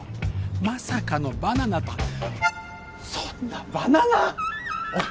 まさかのバナナとそんなバナナッおい